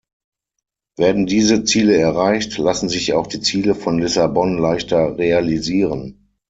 Werden diese Ziele erreicht, lassen sich auch die Ziele von Lissabon leichter realisieren.